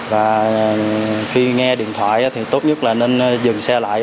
và khi nghe điện thoại thì tốt nhất là nên dừng xe lại